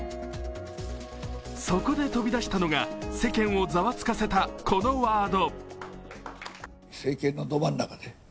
そこで飛び出したのが世間をざわつかせたこのワード。